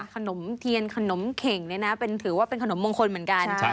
ขนมเทียนขนมเข่งเนี่ยนะถือว่าเป็นขนมมงคลเหมือนกัน